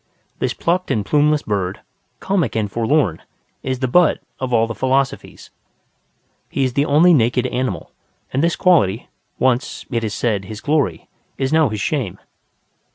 This plucked and plumeless bird, comic and forlorn, is the butt of all the philosophies. He is the only naked animal; and this quality, once, it is said, his glory, is now his shame.